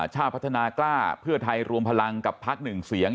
ชาติพัฒนากล้าเพื่อไทยรวมพลังกับพักหนึ่งเสียง